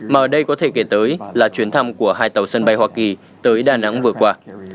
mà đây có thể kể tới là chuyến thăm của hai tàu sân bay hoa kỳ tới đà nẵng vừa qua